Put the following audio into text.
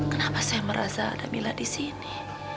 kenapa saya merasa ada mila di sini